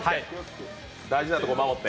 大事なとこ守って。